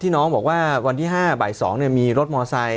ที่น้องบอกว่าวันที่ห้าบ่ายสองเนี่ยมีรถมอเตอร์ไซค์